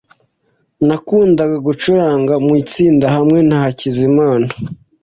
Nakundaga gucuranga mu itsinda hamwe na Hakizimana .